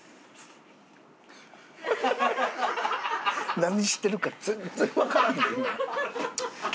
何してるか全然わからんで今。